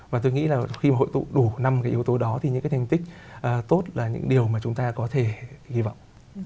và tôi nghĩ là khi mà hội tụ đủ năm cái yếu tố đó thì những cái thành tích tốt là những điều mà chúng ta có thể hy vọng